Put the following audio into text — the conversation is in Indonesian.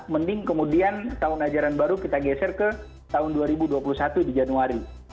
mending kemudian tahun ajaran baru kita geser ke tahun dua ribu dua puluh satu di januari